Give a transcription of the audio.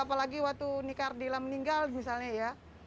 apalagi waktu nike ardila meninggal misalnya ya